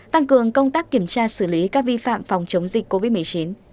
tăng cường công tác kiểm tra xử lý các vi phạm phòng chống dịch covid một mươi chín